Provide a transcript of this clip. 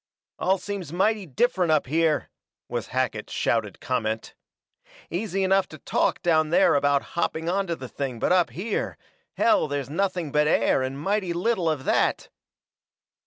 "All seems mighty different up here," was Hackett's shouted comment. "Easy enough to talk down there about hopping onto the thing, but up here hell, there's nothing but air and mighty little of that!"